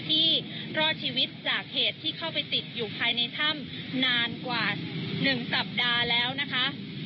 ที่รอดชีวิตจากเหตุที่เข้าไปติดอยู่ภายในถ้ำนานกว่า๑สัปดาห์แล้วนะคะ